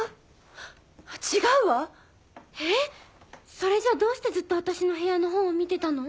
それじゃどうしてずっと私の部屋のほうを見てたの？